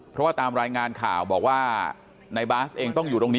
เพราะว่าตามรายงานข่าวบอกว่าในบาสเองต้องอยู่ตรงนี้